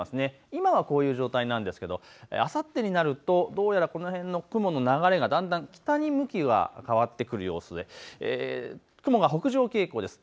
今はこういう状態なんですけどあさってになるとどうやらこの辺の雲の流れがだんだん北に向きは変わってくる様子で雲が北上傾向です。